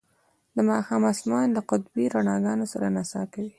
د ماښام اسمان د قطبي رڼاګانو سره نڅا کوي